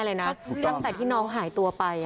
เพื่อนบ้านเจ้าหน้าที่อำรวจกู้ภัย